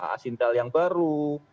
asintel yang baru